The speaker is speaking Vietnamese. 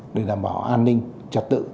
để đảm bảo an ninh trật tự